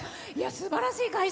すばらしい会場